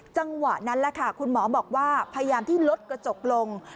จังหวะนั้นแหละค่ะคุณหมอบอกว่าพยายามที่ลดกระจกลง